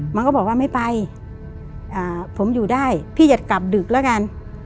มันก็บอกว่าไม่ไปผมอยู่ได้พี่อย่ากลับดึกแล้วกัน